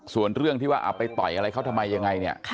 ส่วนเรื่องที่ว่าเอาไปต่อยอะไรเขาทำไมยังไงเนี่ย